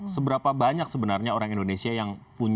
seberapa banyak sebenarnya orang indonesia yang punya pencucian uang